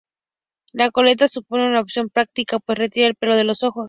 La coleta supone una opción práctica pues retira el pelo de los ojos.